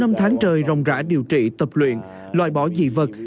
sau năm tháng trời rong rã điều trị tập luyện loại bỏ dị vật